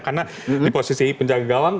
karena di posisi penjaga gawang